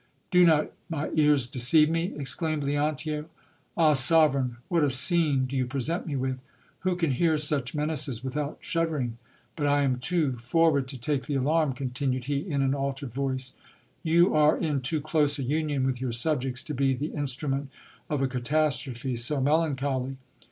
Do not my ears deceive me ? exclaimed Leontio. Ah ! sovereign, what a scene do you present me with ! Who can hear such menaces without shudder ing? But I am too forward to take the alarm, continued he in an altered voice. You are in too close a union with your subjects to be the instrument of a catastrophe so melancholy.